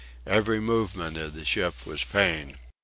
Every movement of the ship was pain.